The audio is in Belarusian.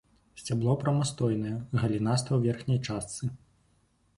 Сцябло прамастойнае, галінастае ў верхняй частцы.